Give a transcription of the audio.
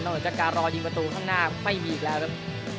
หลังจากการรอยิงประตูข้างหน้าไม่มีอีกแล้วครับ